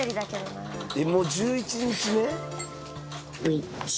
もう１１日目？